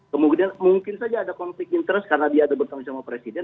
kemudian mungkin saja ada konflik interest karena dia ada bertemu sama presiden